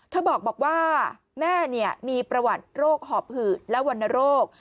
บอกว่าแม่มีประวัติโรคหอบหืดและวรรณโรค